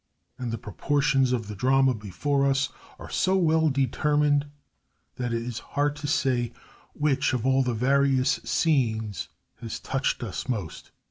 And the proportions of the drama before us are so well determined that it is hard to say which of all the various scenes has touched us most.